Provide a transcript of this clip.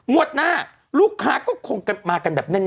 หน้าลูกค้าก็คงมากันแบบแน่น